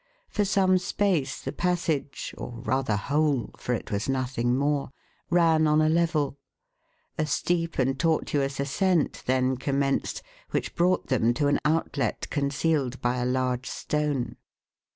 For some space the passage, or rather hole (for it was nothing more) ran on a level. A steep and tortuous ascent then commenced, which brought them to an outlet concealed by a large stone.